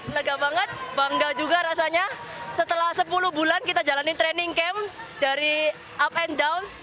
lega banget bangga juga rasanya setelah sepuluh bulan kita jalanin training camp dari up and down